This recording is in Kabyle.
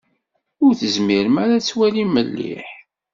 Ur tezmirem ara ad twalim mliḥ?